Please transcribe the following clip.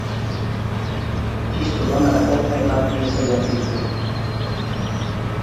Txistu Bandarako hainbat pieza idatzi ditu.